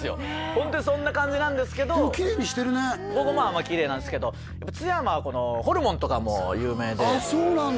ホントにそんな感じなんですけどでもきれいにしてるねきれいなんですけど津山はこのホルモンとかも有名でああそうなんだ